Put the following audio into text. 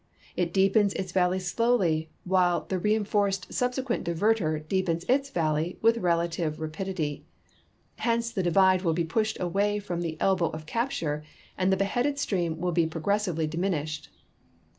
It deepens its valley slowly, while the reinforced subsequent diverter deepens its valley with relative rapidity ; hence the divide will be pushed away from the elbow of capture and the beheaded stream will be progressively diminished.